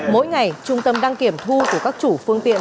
mỗi ngày trung tâm đăng kiểm thu của các chủ phương tiện